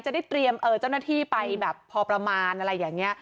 จะได้เตรียมเจ้าหน้าที่ไปแบบพอประมาณอะไรอย่างนี้